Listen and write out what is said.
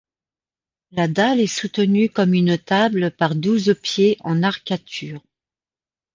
La dalle est soutenue comme une table par douze pieds en arcatures.